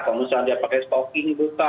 kalau misalnya dia pakai stocking dibuka